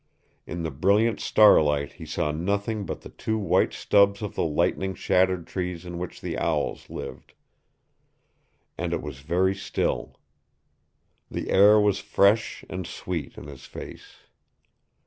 In the brilliant starlight he saw nothing but the two white stubs of the lightning shattered trees in which the owls lived. And it was very still. The air was fresh and sweet in his face.